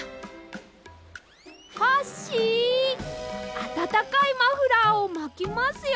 あたたかいマフラーをまきますよ。